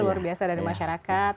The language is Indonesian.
luar biasa dari masyarakat